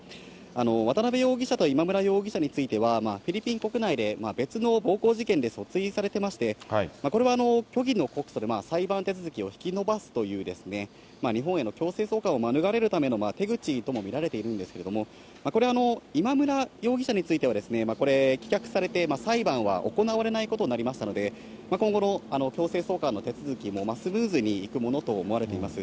渡辺容疑者と今村容疑者については、フィリピン国内で別の暴行事件で訴追されてまして、これは虚偽の告訴で裁判手続きを引き延ばすという、日本への強制送還を免れるための手口とも見られているんですけれども、これ、今村容疑者については、これ、棄却されて裁判は行われないことになりましたので、今後の強制送還の手続きもスムーズにいくものと思われています。